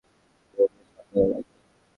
মেয়েদের সাবধানে রাখবে।